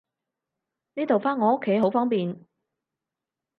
呢度返我屋企好方便